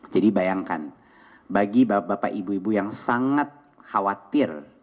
jadi bayangkan bagi bapak ibu ibu yang sangat khawatir